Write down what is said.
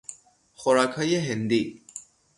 خوراکهای هندی